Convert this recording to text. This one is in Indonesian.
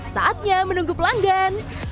saatnya menunggu pelanggan